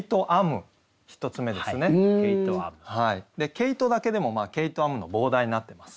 「毛糸」だけでも「毛糸編む」の傍題になってます。